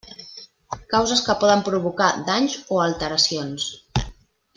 Causes que poden provocar danys o alteracions.